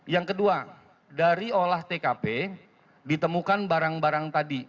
yang kedua dari olah tkp ditemukan barang barang tadi